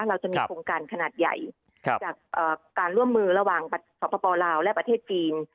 เราจะมีโครงการขนาดใหญ่จากการร่วมมือระหว่างสปลาวและประเทศจีน